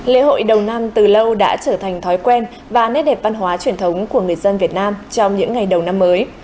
lễ hội đầu năm từ lâu đã trở thành thói quen và nét đẹp văn hóa truyền thống của người dân việt nam trong những ngày đầu năm mới